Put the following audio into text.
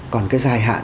còn cái dài hạn